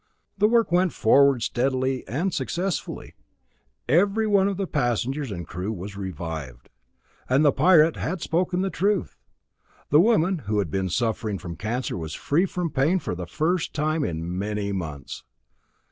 The work went forward steadily and successfully. Every one of the passengers and crew was revived. And the Pirate had spoken the truth. The woman who had been suffering from cancer was free from pain for the first time in many months.